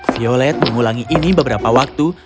violet mengulangi ini beberapa waktu